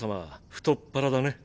太っ腹だね。